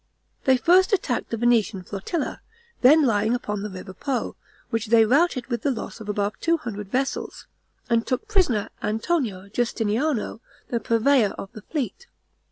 They first attacked the Venetian flotilla, then lying upon the river Po, which they routed with the loss of above two hundred vessels, and took prisoner Antonio Justiniano, the purveyor of the fleet.